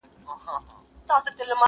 خدایه ما خپل وطن ته بوزې!.